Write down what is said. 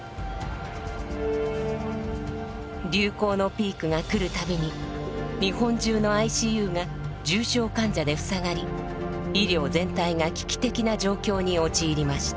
流行のピークが来る度に日本中のＩＣＵが重症患者で塞がり医療全体が危機的な状況に陥りました。